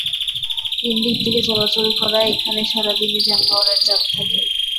তিন দিক থেকে চলাচল করায় এখানে সারা দিনই যানবাহনের চাপ থাকে।